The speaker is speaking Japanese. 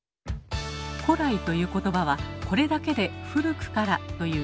「古来」という言葉はこれだけで「古くから」という意味です。